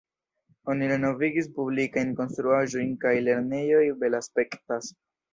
Oni renovigis publikajn konstruaĵojn kaj lernejoj belaspektas.